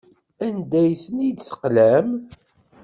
Anda ay ten-id-teqlam?